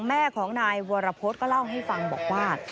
แม่ของนายวรพฤษก็เล่าให้ฟังบอกว่า